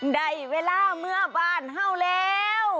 ได้เวลาเมื่อบ้านเห่าแล้ว